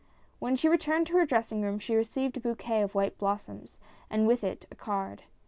When she returned to her dressing room she received a bouquet of white blossoms, and with it a card.